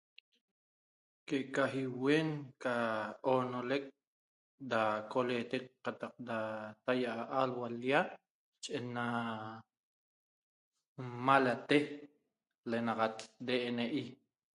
Que eca ibueen que eca unolec da coletec catac tahiaa' aluaa' l'lia iven ena nmalate lenaxat DNI